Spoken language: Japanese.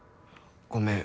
ごめん。